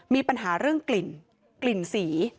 มีปัญหาเรื่องกลิ่นกลิ่นสี